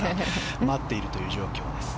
待っているという状況です。